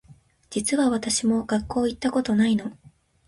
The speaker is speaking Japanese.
実は私も学校行ったことないの